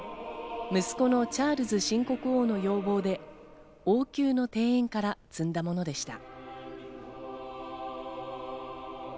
また色とりどりの花は息子のチャールズ新国王の要望で王宮の庭園から摘んだものでした。